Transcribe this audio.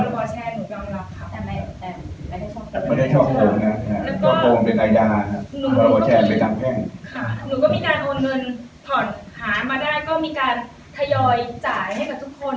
หนูก็มีการโอนเงินผ่อนหามาได้ก็มีการทยอยจ่ายให้กับทุกคน